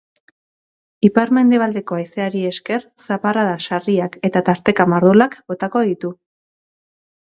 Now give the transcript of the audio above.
Ipar-mendebaldeko haizeari esker, zaparrada sarriak, eta tarteka mardulak, botako ditu.